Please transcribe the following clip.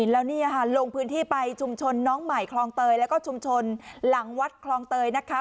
แล้วนี่ค่ะลงพื้นที่ไปชุมชนน้องใหม่คลองเตยแล้วก็ชุมชนหลังวัดคลองเตยนะคะ